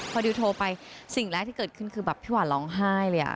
พอดิวโทรไปสิ่งแรกที่เกิดขึ้นคือแบบพี่หวานร้องไห้เลย